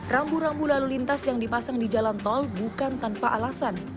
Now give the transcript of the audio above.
rambu rambu lalu lintas yang dipasang di jalan tol bukan tanpa alasan